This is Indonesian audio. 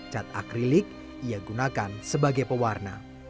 cat akrilik ia gunakan sebagai pewarna